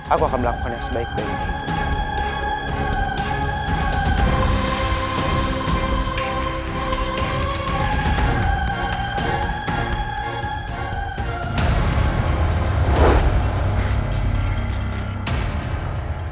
aku akan melakukannya sebaik mungkin